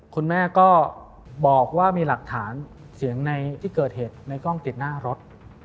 คุณแม่ก็บอกว่ามีหลักฐานเสียงในที่เกิดเหตุในกล้องติดหน้ารถ